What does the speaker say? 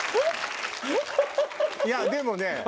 いやでもね